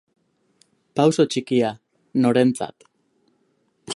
Pauso txikia, norentzat?